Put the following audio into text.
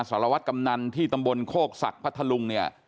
สารวัตรกำนันที่ตำบลโคกศักดิ์พัทธลุงเนี่ย